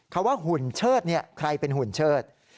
คำว่าหุ่นเชิดใครเป็นหุ่นเชิด